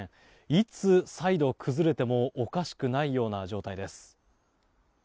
いつ再度、崩れてもおかしくないような状態です。